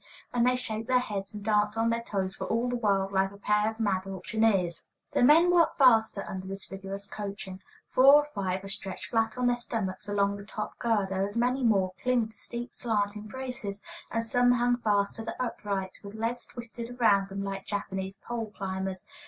And they shake their hands and dance on their toes, for all the world like a pair of mad auctioneers. The men work faster under this vigorous coaching. Four or five are stretched flat on their stomachs along the top girder, as many more cling to steep slanting braces, and some hang fast to the uprights, with legs twisted around them like Japanese pole climbers.